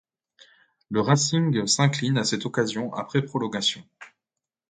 Le Racing s'incline à cette occasion après prolongation.